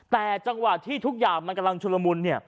แต่จังหวะที่ทุกอย่างมันกำลังชุลมุน